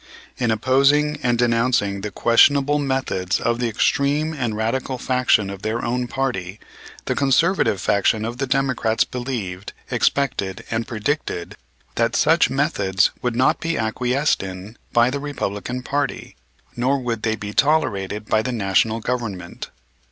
In opposing and denouncing the questionable methods of the extreme and radical faction of their own party, the conservative faction of the Democrats believed, expected, and predicted that such methods would not be acquiesced in by the Republican party, nor would they be tolerated by the National Government.